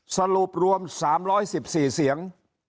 สรุปรวม๓๑๔เสียง